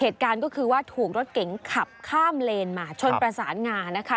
เหตุการณ์ก็คือว่าถูกรถเก๋งขับข้ามเลนมาชนประสานงานะคะ